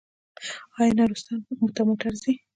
آیا نورستان ته موټر ځي؟